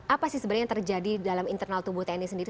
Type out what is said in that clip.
apa sih sebenarnya yang terjadi dalam internal tubuh tni sendiri